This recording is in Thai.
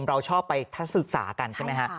เราชอบไปทัศนศึกษากันใช่ไหมฮะ